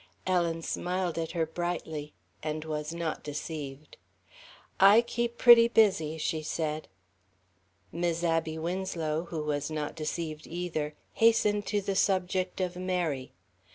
Ellen smiled at her brightly, and was not deceived. "I keep pretty busy," she said. Mis' Abby Winslow, who was not deceived either, hastened to the subject of Mary.